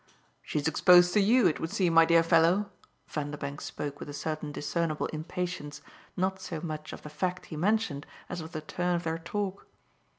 "She's exposed to YOU, it would seem, my dear fellow!" Vanderbank spoke with a certain discernible impatience not so much of the fact he mentioned as of the turn of their talk.